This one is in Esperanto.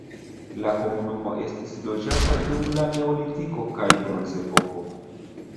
La komunumo estis loĝata dum la neolitiko kaj bronzepoko.